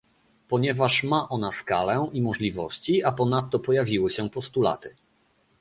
Ponieważ ma ona skalę i możliwości, a ponadto pojawiły się postulaty